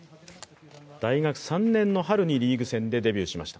大学３年の春にリーグ戦でデビューしました。